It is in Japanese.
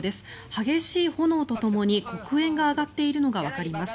激しい炎とともに黒煙が上がっているのがわかります。